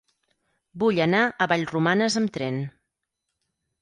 Vull anar a Vallromanes amb tren.